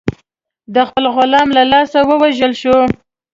د خپل غلام له لاسه ووژل شو.